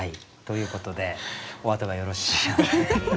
ということでお後がよろしいようで。